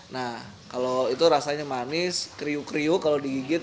nah kalau itu rasanya manis kriu kriu kalau digigit